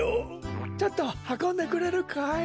ちょっとはこんでくれるかい？